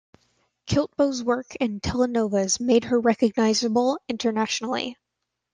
Klitbo's work in telenovelas made her recognizable internationally.